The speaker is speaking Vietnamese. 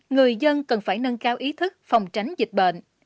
người dân cần phải nâng cao ý thức phòng tránh dịch bệnh